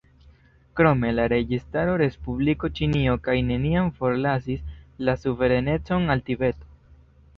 Krome, la registaro Respubliko Ĉinio kaj neniam forlasis la suverenecon al Tibeto.